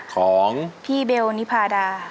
ของพี่เบลนิพาดา